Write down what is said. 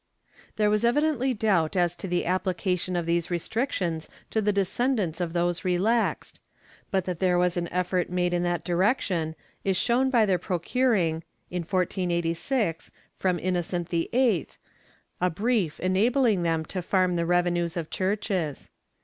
* There was evidently doubt as to the application of these restric tions to the descendants of those relaxed, but that there was an effort made in that direction is shown by their procuring, in 1486, from Innocent VIII, a brief enabling them to farm the revenues of churches.